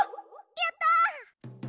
やった！